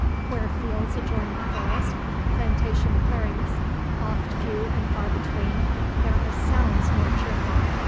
Where fields adjoin the forest plantation clearings oft few and far between there are sounds more cheerful.